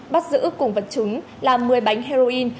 bắt giữ cùng vật chứng là một mươi bánh heroin